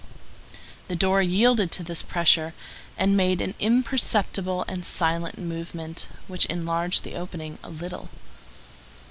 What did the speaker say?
The door yielded to this pressure, and made an imperceptible and silent movement, which enlarged the opening a little.